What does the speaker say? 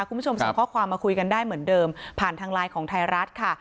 คุณผู้ชมส่งข้อความมาคุยกันได้เหมือนเดิมผ่านทางไลน์ของไทยรัฐค่ะ